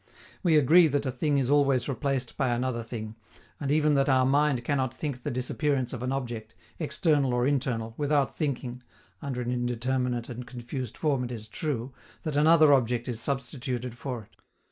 We agree that a thing is always replaced by another thing, and even that our mind cannot think the disappearance of an object, external or internal, without thinking under an indeterminate and confused form, it is true that another object is substituted for it.